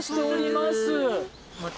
また。